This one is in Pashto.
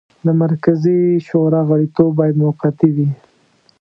د مرکزي شورا غړیتوب باید موقتي وي.